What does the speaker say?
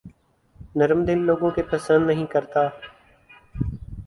نرم دل لوگوں کے پسند نہیں کرتا